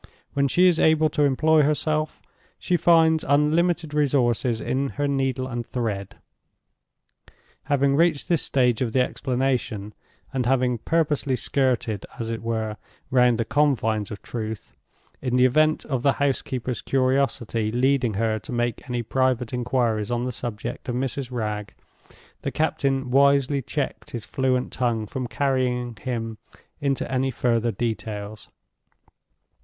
When she is able to employ herself, she finds unlimited resources in her needle and thread." Having reached this stage of the explanation, and having purposely skirted, as it were, round the confines of truth, in the event of the housekeeper's curiosity leading her to make any private inquiries on the subject of Mrs. Wragge, the captain wisely checked his fluent tongue from carrying him into any further details.